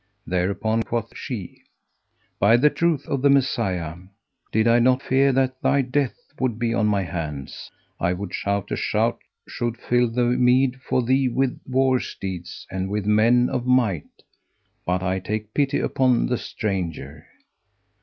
Thereupon quoth she, "By the truth of the Messiah, did I not fear that thy death would be on my hands, I would shout a shout should fill the mead for thee with war steeds and with men of might, but I take pity upon the stranger.